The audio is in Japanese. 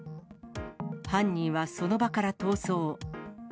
犯人はその場から逃走。